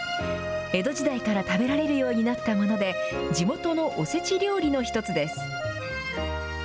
江戸時代から食べられるようになったもので、地元のおせち料理の一つです。